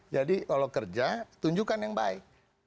jadi kalau kerja tunjukkan yang baik